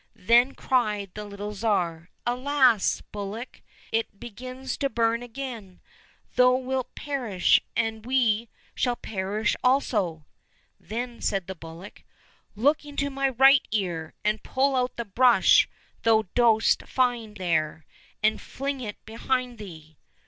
Then cried the little Tsar, " Alas ! bullock, it begins to burn again. Thou wilt perish, and we shall perish also !"— Then said the bullock, '' Look into my right ear, and pull out the brush thou dost find there, and fling it behind thee